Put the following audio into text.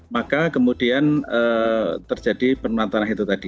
maka kemudian terjadi penurunan tanah itu tadi